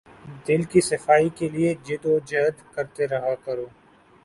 دل کی صفائی کے لیے جد و جہد کرتے رہا کرو۔